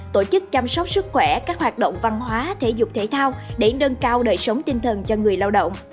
tổ chức chăm sóc sức khỏe các hoạt động văn hóa thể dục thể thao để nâng cao đời sống tinh thần cho người lao động